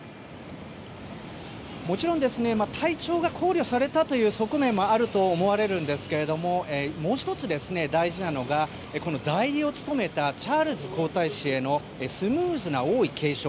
もちろん体調が考慮されたという側面もあると思われるんですけれどもう１つ、大事なのが代理を務めたチャールズ皇太子へのスムーズな王位継承。